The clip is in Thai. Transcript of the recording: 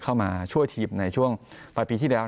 เข้ามาช่วยทีมในช่วงปลายปีที่แล้ว